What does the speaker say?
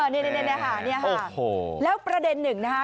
อ๋อนี่ค่ะโอ้โฮแล้วประเด็นหนึ่งนะฮะ